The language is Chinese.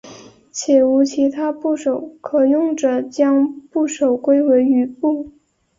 且无其他部首可用者将部首归为羽部。